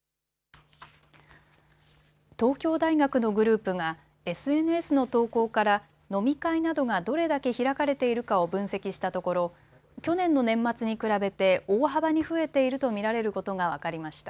東京大学のグループがＳＮＳの投稿から飲み会などが、どれだけ開かれているかを分析したところ去年の年末に比べて大幅に増えているとみられることが分かりました。